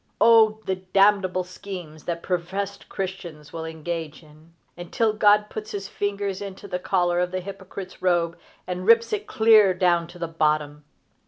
O the damnable schemes that professed Christians will engage in until God puts his fingers into the collar of the hypocrite's robe and rips it clear down to the bottom!